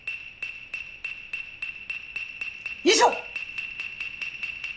以上！